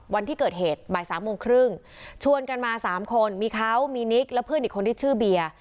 วันที่เกิดเหตุบ่ายสามโมงครึ่งชวนกันมา๓คนมีเขามีนิกและเพื่อนอีกคนที่ชื่อเบียร์